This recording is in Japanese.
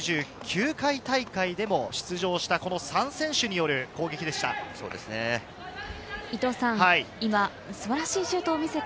前回の９９回大会にも出場した３選手による攻撃でした。